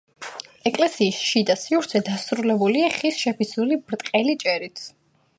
ეკლესიის შიდა სივრცე დასრულებულია ხის შეფიცრული ბრტყელი ჭერით.